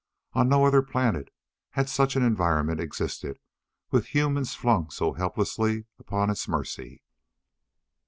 On no other planet had such an environment existed, with humans flung so helplessly upon its mercy.